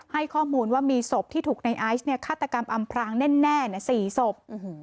ให้ข้อมูลว่ามีศพที่ถูกในไอซ์ฆาตกรรมอำพรางแน่๔ศพ